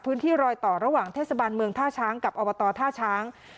พื้นที่รอยต่อระหว่างเทศบาลเมืองท่าช้างกับอบตท่าช้าง